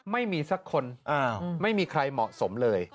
ไม่มีสักคนไม่มีใครเหมาะสมเลย